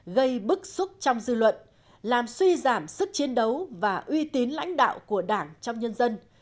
gây bức xúc trong dư luận làm suy giảm sức chiến đấu và uy tín lãnh đạo của đảng trong nhân dân